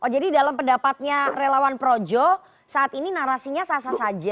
jadi dalam pendapatnya relawan projo saat ini narasinya sah sah saja